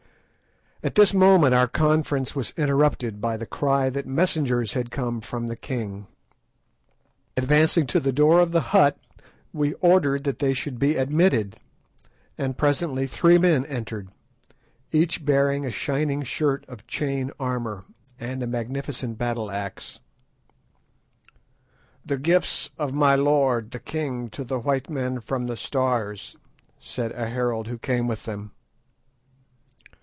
At this moment our conference was interrupted by the cry that messengers had come from the king. Advancing to the door of the hut we ordered that they should be admitted, and presently three men entered, each bearing a shining shirt of chain armour, and a magnificent battle axe. "The gifts of my lord the king to the white men from the Stars!" said a herald who came with them.